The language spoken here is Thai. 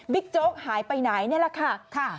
โจ๊กหายไปไหนนี่แหละค่ะ